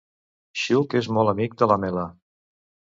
Xuc és molt amic de Lamela.